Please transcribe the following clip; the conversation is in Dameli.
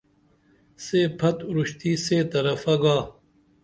سے پھت اُرشتی سے طرفہ گا